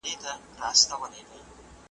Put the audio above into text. چي هر ځای وینم کارګه له رنګه تور وي .